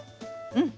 うん。